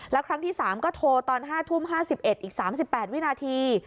แล้วครั้งที่๓ก็โทรตอน๕ทุ่ม๕๑อีก๓๘วินาที